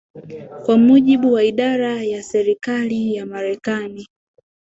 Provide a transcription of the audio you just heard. Kwa mujibu wa Idara ya Serikali ya Marekani